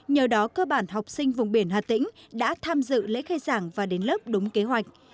nhờ đó cơ bản học sinh vùng biển hà tĩnh đã tham dự lễ khai giảng và đến lớp đúng kế hoạch